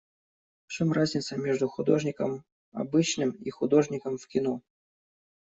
В чем разница между художником обычным и художником в кино?